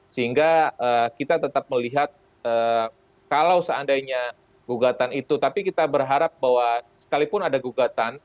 sehingga kita tetap melihat kalau seandainya gugatan itu tapi kita berharap bahwa sekalipun ada gugatan